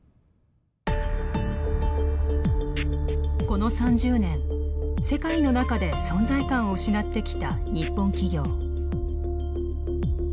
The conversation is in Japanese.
この３０年世界の中で存在感を失ってきた日本企業。